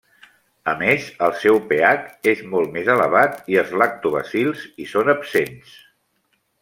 A més, el seu pH és molt més elevat i els lactobacils hi són absents.